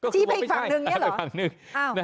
ชี้ไปอีกฝั่งนึงเนี่ยเหรอ